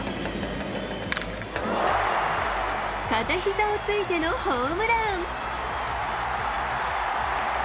片ひざをついてのホームラン。